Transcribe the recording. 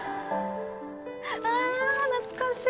ああ懐かしい！